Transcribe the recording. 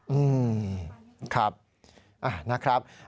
อืมครับ